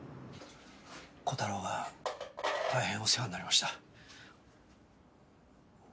こたろうが大変お世話になりました。